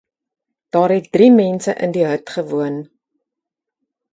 Daar het drie mense in die hut gewoon.